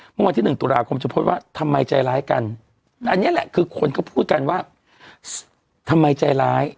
เมื่อวันที่๑ตุลาคมจะโพสต์ว่าทำไมใจร้ายกันอันนี้แหละคือคนก็พูดกันว่าทำไมใจร้าย